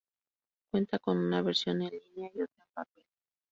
Cuenta con una versión en línea y otra en papel.